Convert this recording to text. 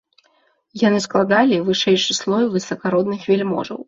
Яны складалі вышэйшы слой высакародных вяльможаў.